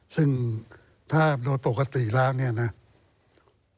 ซึ่งถ้าโดยปกติแล้ว